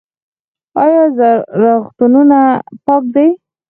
آیا روغتونونه پاک دي؟